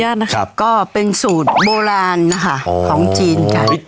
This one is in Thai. ขออนุญาตนะครับก็เป็นสูตรโบราณนะคะของจีนค่ะ